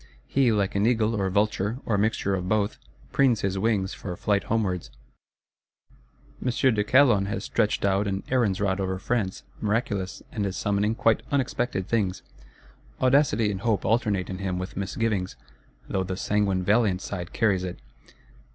He, like an eagle or vulture, or mixture of both, preens his wings for flight homewards. M. de Calonne has stretched out an Aaron's Rod over France; miraculous; and is summoning quite unexpected things. Audacity and hope alternate in him with misgivings; though the sanguine valiant side carries it.